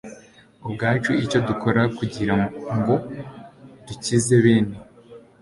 ubwacu icyo dukora kugira ngo dukize bene